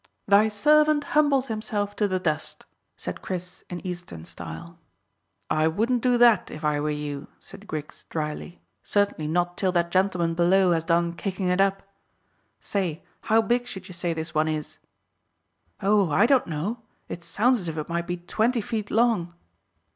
"Thy servant humbles himself to the dust," said Chris, in Eastern style. "I wouldn't do that, if I were you," said Griggs dryly; "certainly not till that gentleman below has done kicking it up. Say, how big should you say this one is?" "Oh, I don't know. It sounds as if it might be twenty feet long."